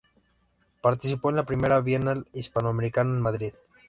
Participó en la Primera Bienal Hispanoamericana en Madrid.